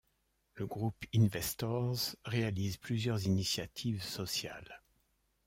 Le Groupe Investors réalise plusieurs initiatives sociales.